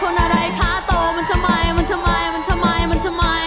ร้องได้ยกกำลังซ่า